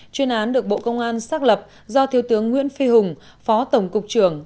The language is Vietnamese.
chuyên án được bộ công an xác lập do thiếu tướng nguyễn phi hùng phó tổng cục trưởng